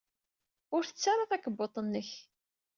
Ur ttettu ara takebbuḍt-nnek.